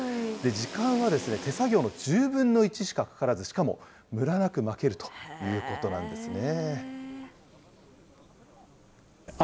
時間は手作業の１０分の１しかかからず、しかも、むらなくまけるということなんですね。